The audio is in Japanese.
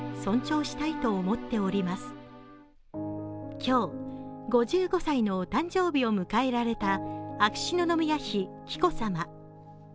今日、５５歳のお誕生日を迎えられた秋篠宮妃・紀子さま。